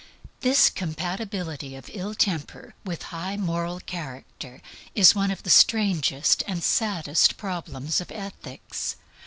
This compatibility of ill temper with high moral character is one of the strangest and saddest problems of ethics.